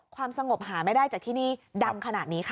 ความสงบหาไม่ได้จากที่นี่ดังขนาดนี้ค่ะ